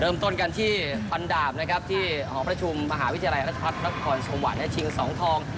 เริ่มต้นกันที่พันดาบนะครับที่หอประชุมมหาวิทยาลัยราชพัฒนครสวรรค์และชิงสองทอง